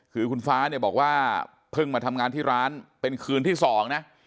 คือคุณฟ้าเนี่ยบอกว่าเพิ่งมาทำงานที่ร้านเป็นคืนที่๒นะ